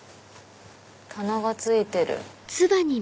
棚が付いてる。